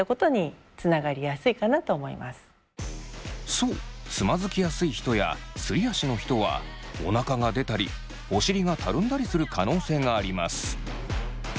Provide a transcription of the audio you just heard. そうつまずきやすい人やすり足の人はおなかが出たりお尻がたるんだりする可能性があります。